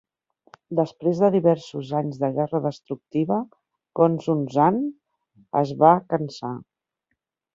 Després de diversos anys de guerra destructiva, Gongsun Zan es va cansar.